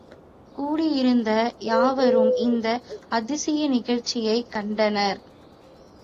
கூடியிருந்த யாவரும் இந்த அதிசய நிகழ்ச்சியைக் கண்டனர்.